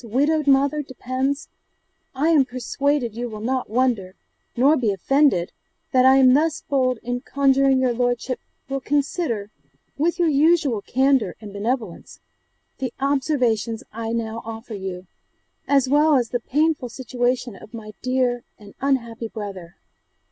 widowed mother, depends, I am persuaded you will not wonder, nor be offended, that I am thus bold in conjuring your lordship will consider, with your usual candour and benevolence, the "Observations" I now offer you, as well as the painful situation of my dear and unhappy brother.